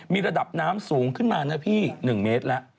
มีระดับน้ำสูงขึ้นมานะพี่๑เมตรแล้ว